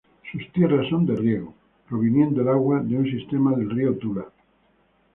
Sus tierras son de riego, proviniendo el agua de un sistema del río Tula.